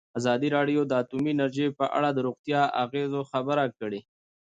ازادي راډیو د اټومي انرژي په اړه د روغتیایي اغېزو خبره کړې.